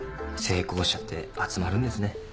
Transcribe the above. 成功者って集まるんですね。